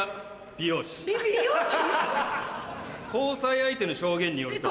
美容師⁉交際相手の証言によると。